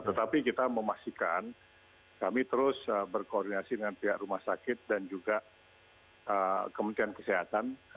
tetapi kita memastikan kami terus berkoordinasi dengan pihak rumah sakit dan juga kementerian kesehatan